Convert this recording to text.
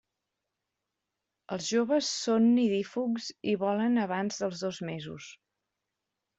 Els joves són nidífugs i volen abans dels dos mesos.